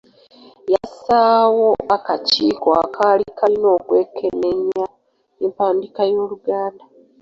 Yassaawo akakiiko akaali kalina okwekenneenya empandiika y'Oluganda.